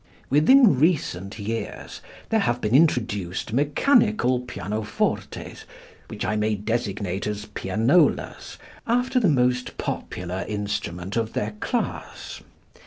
Within recent years there have been introduced mechanical pianofortes, which I may designate as pianolas, after the most popular instrument of their class.